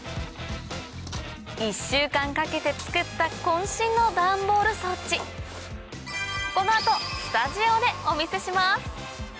１週間かけて作った渾身のダンボール装置この後スタジオでお見せします！